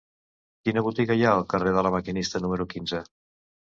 Quina botiga hi ha al carrer de La Maquinista número quinze?